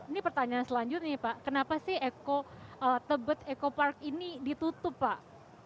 ini pertanyaan selanjutnya nih pak kenapa sih tebet eco park ini ditutup pak